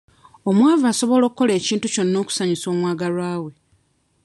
Omwavu asobola okukola ekintu kyonna okusanyusa omwagalwa we.